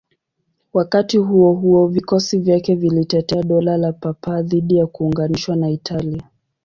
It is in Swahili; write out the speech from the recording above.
Wakati huo huo, vikosi vyake vilitetea Dola la Papa dhidi ya kuunganishwa na Italia.